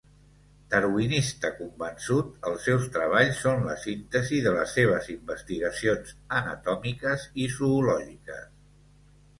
Darwinista convençut, els seus treballs són la síntesi de les seves investigacions anatòmiques i zoològiques.